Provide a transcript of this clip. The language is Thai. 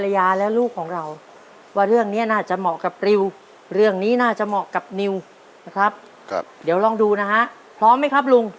ว่าครอบครัวเราเตรียมตัวมาดีไหมครับ